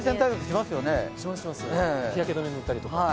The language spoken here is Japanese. します、日焼け止め塗ったりとか。